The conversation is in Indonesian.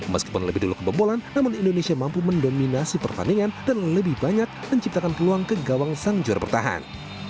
meskipun lebih dulu kebobolan namun indonesia mampu mendominasi pertandingan dan lebih banyak menciptakan peluang ke gawang sang juara pertahanan